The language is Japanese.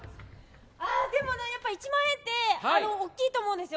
１万円って大きいと思うんですよ。